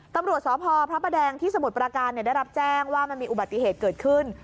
ตำรวจสพพระประแดงที่สมุทรประการได้รับแจ้งว่ามันมีอุบัติเหตุเกิดขึ้น